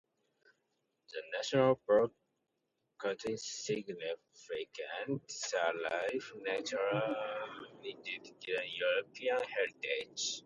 The national park contains significant sites of natural, indigenous and early European heritage.